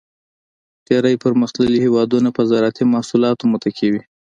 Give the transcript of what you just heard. ډېری پرمختیایي هېوادونه په زراعتی محصولاتو متکی وي.